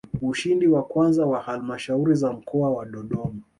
Ushindi wa kwanza kwa Halmashauri za Mkoa wa Dodoma